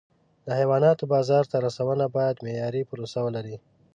د حیواناتو بازار ته رسونه باید معیاري پروسه ولري.